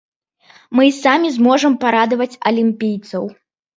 Мы і самі зможам парадаваць алімпійцаў!